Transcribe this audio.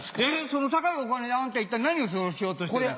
その高いお金であなた一体何をしようとしてる。